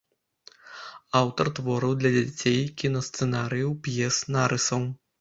Аўтар твораў для дзяцей, кінасцэнарыяў, п'ес, нарысаў.